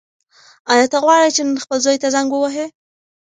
ایا ته غواړې چې نن خپل زوی ته زنګ ووهې؟